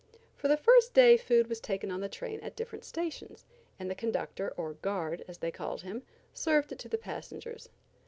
For the first day food was taken on the train at different stations, and the conductor, or guard, as they called him, served it to the passengers.